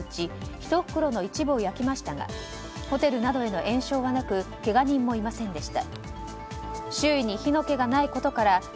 １袋の一部を焼きましたがホテルなどへの延焼はなくけが人もいませんでした。